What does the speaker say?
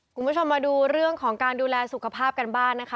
คุณผู้ชมมาดูเรื่องของการดูแลสุขภาพกันบ้างนะคะ